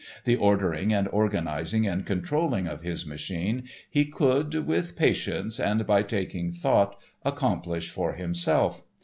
The ordering and organising and controlling of his machine he could, with patience and by taking thought, accomplish for himself.